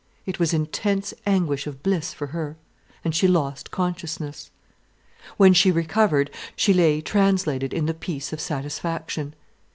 It was intense anguish of bliss for her, and she lost consciousness. When she recovered, she lay translated in the peace of satisfaction.